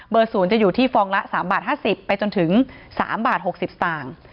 ๐จะอยู่ที่ฟองละ๓บาท๕๐ไปจนถึง๓บาท๖๐สตางค์